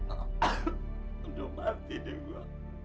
aduh mati deh gua